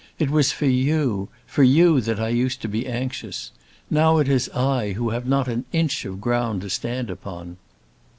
It was for you, for you that I used to be anxious. Now it is I who have not an inch of ground to stand upon."